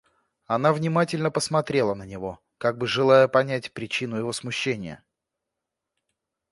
Она внимательно посмотрела на него, как бы желая понять причину его смущения.